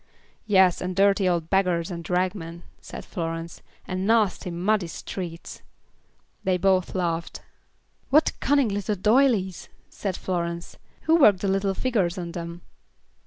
"Yes, and dirty old beggars and ragmen," said Florence, "and nasty, muddy streets." They both laughed. "What cunning little doylies," said Florence. "Who worked the little figures on them?"